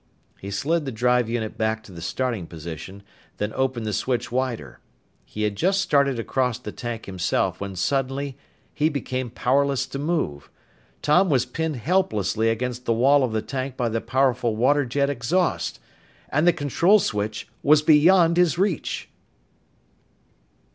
He slid the drive unit back to starting position, then opened the switch wider. He had just started across the tank himself when suddenly he became powerless to move. Tom was pinned helplessly against the wall of the tank by the powerful water jet exhaust! And the control switch was beyond his reach!